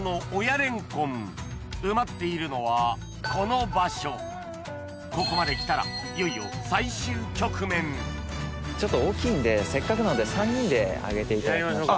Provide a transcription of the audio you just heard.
埋まっているのはこの場所ここまできたらいよいよちょっと大きいんでせっかくなので３人で上げていただきましょうか。